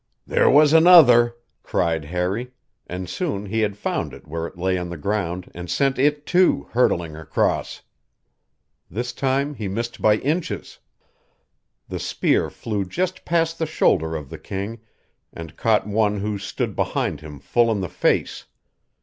"There was another!" cried Harry, and soon he had found it where it lay on the ground and sent it, too, hurtling across. This time he missed by inches. The spear flew just past the shoulder of the king and caught one who stood behind him full in the face.